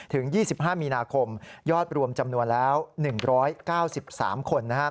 ถึง๒๕มียอดรวมจำนวนแล้ว๑๙๓คน